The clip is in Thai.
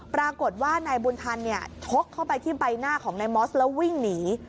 ปรากฏว่านายบุญทันชกเข้าไปที่ใบหน้าของนายมอสแล้ววิ่งหนี